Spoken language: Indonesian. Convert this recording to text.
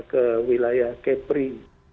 ke wilayah kepri